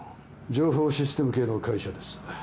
情報システム系の会社です。